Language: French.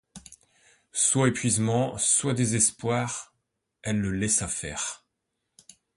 Soit épuisement, soit désespoir, elle le laissa faire.